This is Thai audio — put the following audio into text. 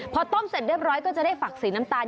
พอต้มเสร็จเรียบร้อยก็จะได้ฝักสีน้ำตาล